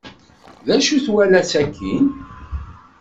D acu ay twala sakkin?